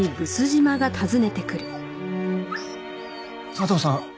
佐藤さん？